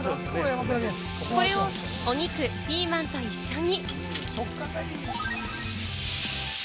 これをお肉、ピーマンと一緒に。